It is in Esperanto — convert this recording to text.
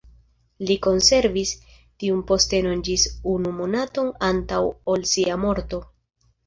Li konservis tiun postenon ĝis unu monaton antaŭ ol sia morto.